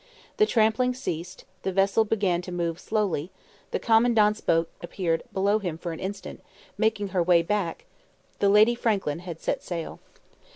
The trampling ceased, the vessel began to move slowly the Commandant's boat appeared below him for an instant, making her way back the Lady Franklin had set sail.